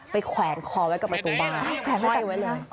ไปแขวงคอไว้กลับไปตรงบ้าน